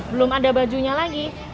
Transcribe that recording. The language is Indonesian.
belum ada bajunya lagi